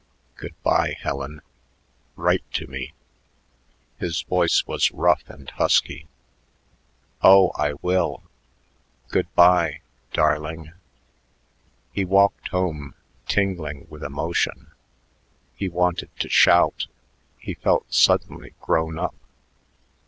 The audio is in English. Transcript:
"Good by, Helen. Write to me." His voice was rough and husky. "Oh, I will. Good by darling." He walked home tingling with emotion. He wanted to shout; he felt suddenly grown up.